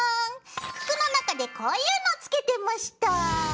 服の中でこういうのつけてました。